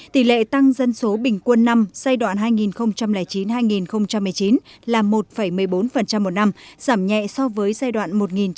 hai nghìn một mươi một hai nghìn hai mươi tỷ lệ tăng dân số bình quân năm giai đoạn hai nghìn chín hai nghìn một mươi chín là một một mươi bốn một năm giảm nhẹ so với giai đoạn